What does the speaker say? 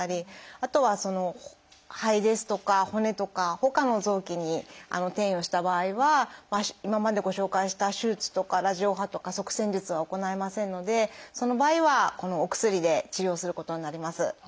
あとは肺ですとか骨とかほかの臓器に転移をした場合は今までご紹介した手術とかラジオ波とか塞栓術は行えませんのでその場合はこのお薬で治療をすることになります。